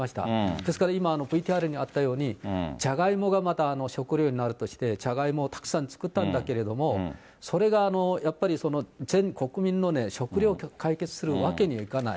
ですから今、ＶＴＲにあったように、じゃがいもがまた食料になるとして、じゃがいもをたくさん作ったんだけれども、それがやっぱり全国民の食料を解決するわけにはいかない。